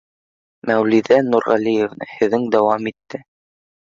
Мәүлиҙә Нурғәлиевна һүҙен дауам итте: